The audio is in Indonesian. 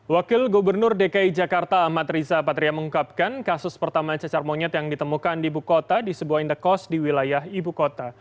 wakil gubernur dki jakarta amat riza patria mengungkapkan kasus pertama cacar monyet yang ditemukan di buku kota di sebuah indekos di wilayah ibu kota